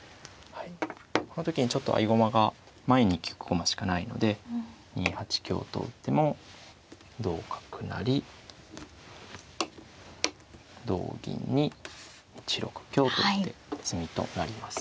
この時にちょっと合駒が前に利く駒しかないので２八香と打っても同角成同銀に１六香と打って詰みとなります。